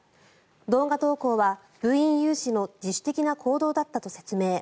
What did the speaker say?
動画投稿は部員有志の自主的な行動だったと説明。